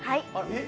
えっ？